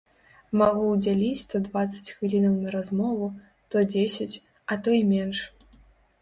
Магу ўдзяліць то дваццаць хвілінаў на размову, то дзесяць, а то і менш.